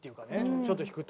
ちょっと弾くと。